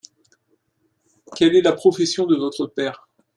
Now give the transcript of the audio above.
Quelle est la profession de votre père ?